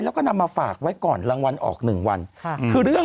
และก็นำมาฝากไว้ก่อนรังวัลออก๑วัน